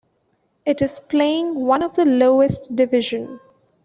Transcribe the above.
It is playing one of the lowest division.